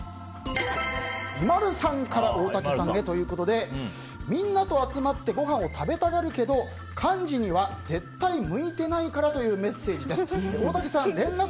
ＩＭＡＬＵさんから大竹さんへということでみんなと集まってご飯を食べたがるけど幹事には絶対向いてないからというメッセージです。